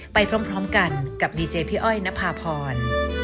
ไปพร้อมพร้อมกันกับดีเจย์พี่อ้อยณภาพร